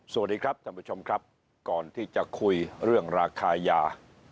สวัสดีครับท่านผู้ชมครับก่อนที่จะคุยเรื่องราคายา